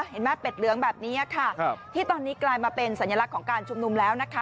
เห็นไหมเป็ดเหลืองแบบนี้ค่ะที่ตอนนี้กลายมาเป็นสัญลักษณ์ของการชุมนุมแล้วนะคะ